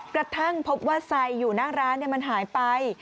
กระทั่งพบว่าไซอยู่หน้าร้านมันหายไป